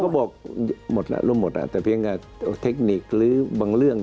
ผมว่าก็บอกหมดแล้วแต่เพียงเทคนิคหรือบางเรื่อง